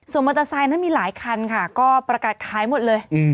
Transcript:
ส่วนมอเตอร์ไซค์นั้นมีหลายคันค่ะก็ประกาศขายหมดเลย